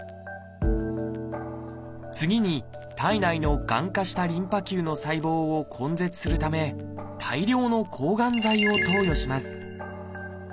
次に体内のがん化したリンパ球の細胞を根絶するため大量の抗がん剤を投与します。